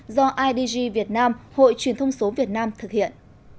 do idg việt nam hội truyền thông số việt nam thực hiện